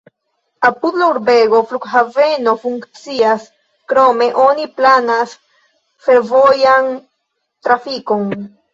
Apud la urbego flughaveno funkcias, krome oni planas fervojan trafikon.